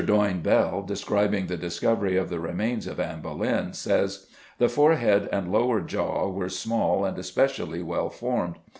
Doyne Bell, describing the discovery of the remains of Anne Boleyn, says, "The forehead and lower jaw were small and especially well formed.